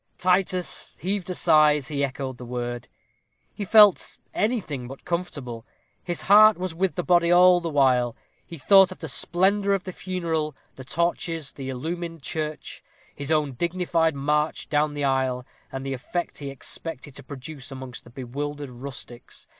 Titus heaved a sigh as he echoed the word. He felt anything but comfortable. His heart was with the body all the while. He thought of the splendor of the funeral, the torches, the illumined church, his own dignified march down the aisle, and the effect he expected to produce amongst the bewildered rustics.